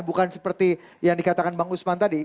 bukan seperti yang dikatakan bang usman tadi